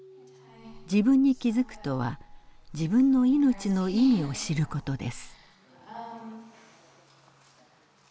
「自分に気づく」とは自分のいのちの意味を知る事です。